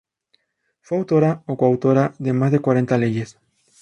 Fue autora o coautora de más de cuarenta leyes.